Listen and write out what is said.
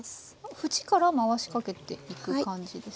ふちから回しかけていく感じですか？